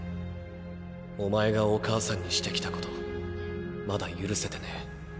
おまえがお母さんにしてきたことまだ許せてねえ。